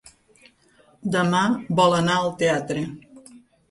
Demà vol anar al teatre.